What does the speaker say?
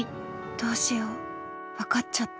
どうしよう分かっちゃった。